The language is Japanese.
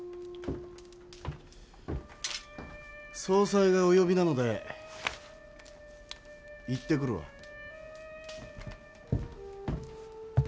総裁がお呼びなので行ってくるわ。